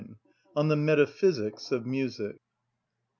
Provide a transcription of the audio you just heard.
(25) On The Metaphysics Of Music.